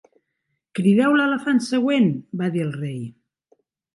"Crideu l'elefant següent!", va dir el rei.